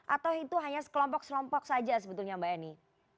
atau itu hanya kelompok kelompok saja sebetulnya mbak eni